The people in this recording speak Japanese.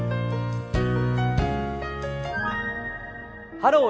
「ハロー！